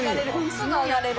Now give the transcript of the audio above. すぐあがれる。